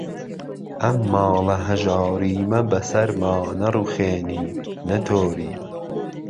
ئهم ماڵه ههژاریمه به سهرما نهڕووخێنی، نهتۆری